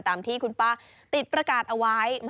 ตามที่คุณป้าติดประกาศเอาไว้